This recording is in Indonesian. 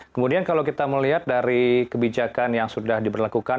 kemudian kalau kita melihat dari kebijakan yang sudah diberlakukan